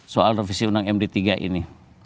soal revisi undang md tiga ini